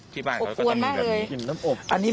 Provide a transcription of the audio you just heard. ที่บ้านเขาก็ต้องมีแบบนี้